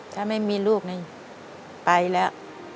ถ้าไม่มีลูกนึงไปแล้ว